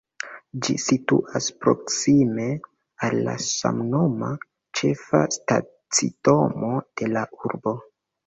Ĝi situas proksime al la samnoma, ĉefa stacidomo de la urbo.